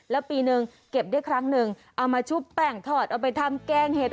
แล้วปีหนึ่งเก็บได้ครั้งหนึ่งเอามาชุบแป้งทอดเอาไปทำแกงเห็ด